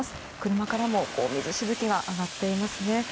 車からも水しぶきが上がっていますね。